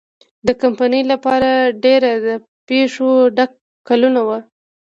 د کمپنۍ لپاره ډېر د پېښو ډک کلونه وو.